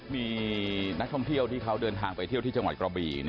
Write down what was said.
มีนักท่องเที่ยวที่เขาเดินทางไปเที่ยวที่จังหวัดกระบี